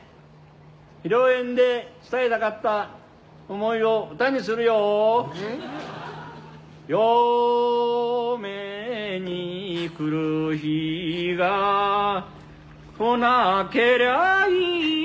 披露宴で伝えたかった思いを歌にするよ「嫁に来る日が来なけりゃいいと」